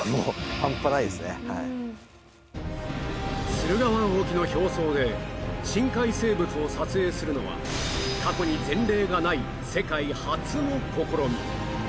駿河湾沖の表層で深海生物を撮影するのは過去に前例がない世界初の試み